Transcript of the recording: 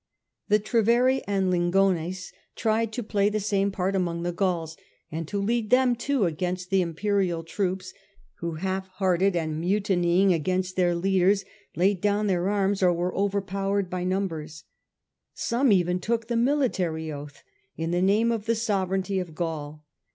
The Treveri and Lingones tried to play the same part among the Gauls and to lead them too against the im «ariy sue pcrial troops, who, half hearted and mutinying cesses, against their leaders, laid down their arms or were overpowered by numbers. Some even took the military oath in the name of the sovereignty of Gaul.